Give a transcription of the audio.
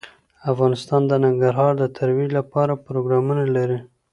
افغانستان د ننګرهار د ترویج لپاره پروګرامونه لري.